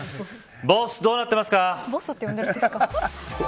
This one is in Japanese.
ボス、どうなってますか。